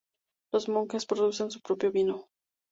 Los monjes producen su propio vino.